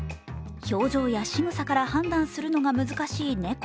表情や仕草から判断するのが難しい猫。